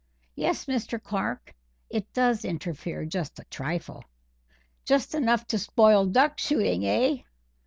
"Yes, Mr. Clark, it does interfere just a trifle." "Just enough to spoil duck shooting, eh!